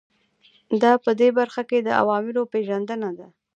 دا په دې برخه کې د عواملو پېژندنه ده.